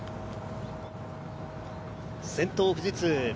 先頭は富士通。